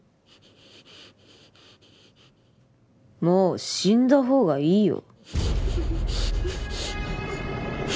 もう死んだほうがいいよ。